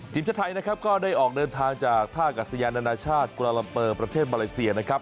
ทีมชาติไทยนะครับก็ได้ออกเดินทางจากท่ากัศยานานาชาติกุลาลัมเปอร์ประเทศมาเลเซียนะครับ